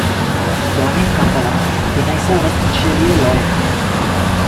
Born in Kampala, Binaisa was initially a lawyer.